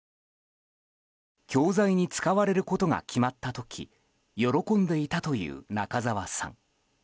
教材に使われることが決まった時喜んでいたという中沢さん。